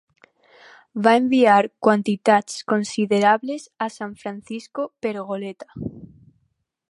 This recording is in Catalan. Va enviar quantitats considerables a San Francisco per goleta.